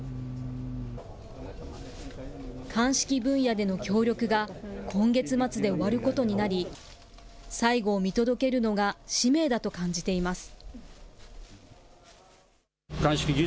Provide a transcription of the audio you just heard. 鑑識分野での協力が今月末で終わることになり、最後を見届けるのが使命だと感じています。